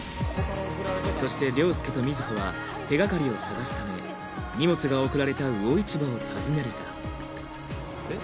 そして凌介と瑞穂は手掛かりを探すため荷物が送られた魚市場を訪ねるがえっ？